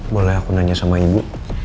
boleh aku nanya sama ibu